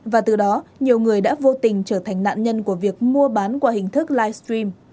và từ đó nhiều người đã vô tình trở thành nạn nhân của việc mua bán qua hình thức livestream